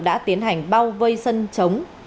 đã tiến hành bao vây sân chống